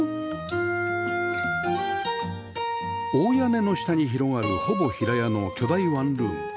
大屋根の下に広がるほぼ平屋の巨大ワンルーム